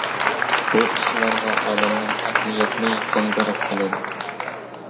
بۇ ئىشلارغا ئادەمنىڭ ئەقلى يەتمەي، گاڭگىراپ قالىدۇ.